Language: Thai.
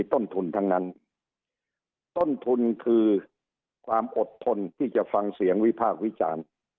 ต้นทุนคือความอดทนที่จะฟังเสียงวิพากษ์วิจารณ์